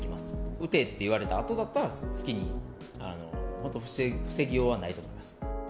撃てって言われたあとは好きに、本当、防ぎようはないと思います。